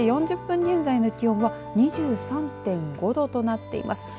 １時４０分現在の気温は２３．５度となっています。